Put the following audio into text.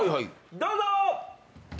どうぞ。